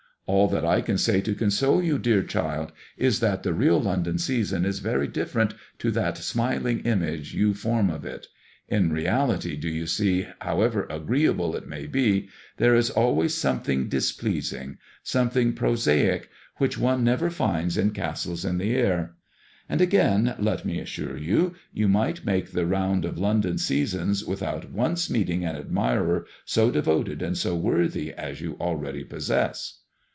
All that I can say to console you, dear child, is that the real London season is very different to that smiling image you form of it. In reality, do you see, however agreeable it may be, there is always some MADEMOISELLE IXE. 27 thing displeasing, something pro saicy which one never finds in castles in the air. And again, let me assure you» you might make the round of London sea sons without once meeting an admirer so devoted and so worthy as you already possess."